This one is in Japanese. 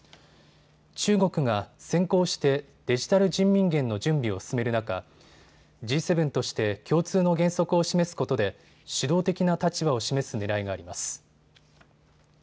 中国が先行してデジタル人民元の準備を進める中、Ｇ７として共通の原則を示すことで主導的な立場を示すねらいがあります。